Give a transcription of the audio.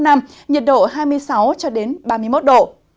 nhiệt độ hai mươi sáu ba mươi một độ